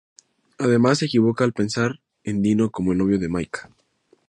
Además, se equivoca al pensar en Dino como el novio de Maika.